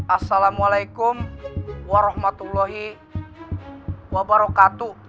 assalamualaikum warahmatullahi wabarakatuh